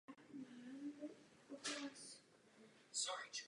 Víme, že mnoho rozvojových zemí je krizí velmi těžce zasaženo.